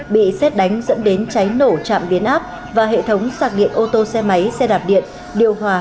bị xét đánh dẫn đến cháy nổ trạm biến áp và hệ thống sạc điện ô tô xe máy xe đạp điện điều hòa